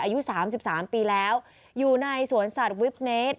อายุ๓๓ปีแล้วอยู่ในสวนสัตว์วิฟเนส